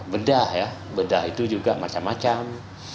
bedah ya bedah itu juga macam macam